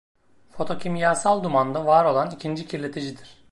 Fotokimyasal dumanda var olan ikinci kirleticidir.